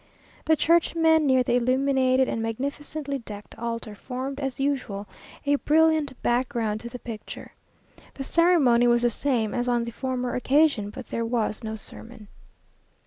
The churchmen near the illuminated and magnificently decked altar formed, as usual, a brilliant background to the picture. The ceremony was the same as on the former occasion, but there was no sermon.